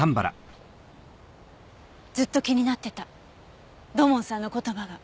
ずっと気になってた土門さんの言葉が。